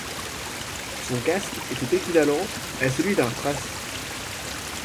Son casque était équivalent à celui d'un thrace.